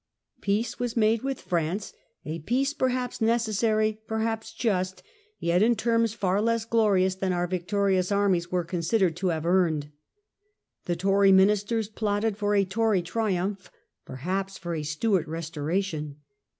Peace was made with France, a peace perhaps necessary, perhaps just, yet in terms far less glorious than our victorious armies were considered to have earned. The Tory minis ters plotted for a Tory triumph, perhaps for a Stewart Restoration.